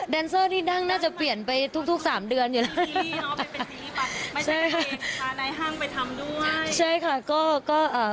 แดนเซอร์ที่นั่งน่าจะเปลี่ยนไปทุก๓เดือนอยู่แล้ว